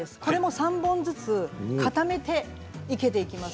３本ずつ固めて生けていきます。